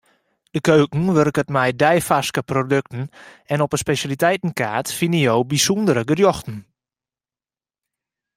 De keuken wurket mei deifarske produkten en op 'e spesjaliteitekaart fine jo bysûndere gerjochten.